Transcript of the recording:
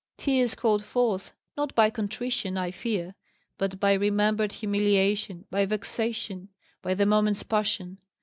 Tears called forth, not by contrition, I fear; but by remembered humiliation, by vexation, by the moment's passion.